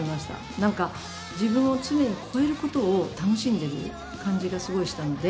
何か自分を常に超えることを楽しんでる感じがすごいしたので。